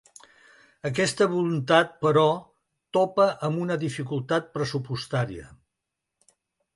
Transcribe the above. Aquesta voluntat, però, topa amb una dificultat pressupostària.